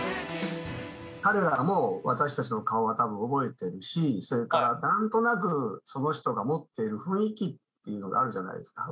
彼らも私たちの顔は多分覚えてるしそれから何となくっていうのがあるじゃないですか